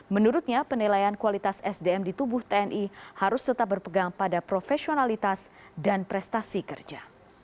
menurutnya penilaian kualitas sdm di tubuh tni harus tetap berpegang pada profesionalitas dan prestasi kerja